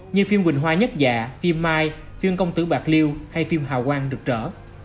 như phim quỳnh hoa nhất dạ phim mai phim công tử bạc liêu hay phim hào quang được trở